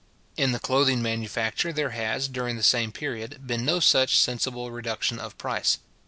In the clothing manufacture there has, during the same period, been no such sensible reduction of price.